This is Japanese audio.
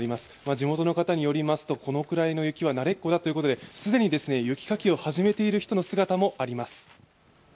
地元の方によりますとこのくらいの雪は慣れっこだということで既に雪かきを始めている人の姿もあります。